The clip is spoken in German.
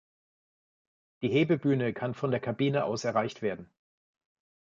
Die Hebebühne kann von der Kabine aus erreicht werden.